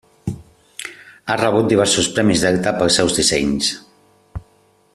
Ha rebut diversos premis Delta pels seus dissenys.